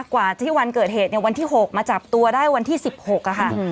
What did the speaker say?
กว่าที่วันเกิดเหตุเนี่ยวันที่๖มาจับตัวได้วันที่๑๖ค่ะ